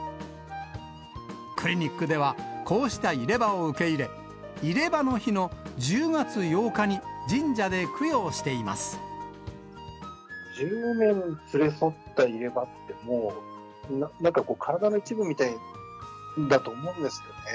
クリニックではこうした入れ歯を受け入れ、入れ歯の日の１０月８日に、１０年連れ添った入れ歯って、もうなんか体の一部みたいだと思うんですよね。